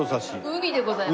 「海」でございます。